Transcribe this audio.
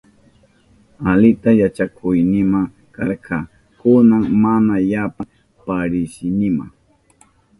Alita yachakuynima karka, kunan mana yapa parisinima.